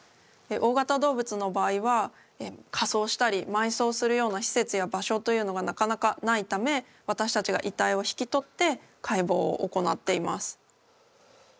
大型動物の場合は火葬したり埋葬するような施設や場所というのがなかなかないため私たちが遺体を引き取って解剖を行っています。